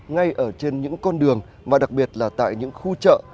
ngay ở trên những con đường và đặc biệt là tại những khu chợ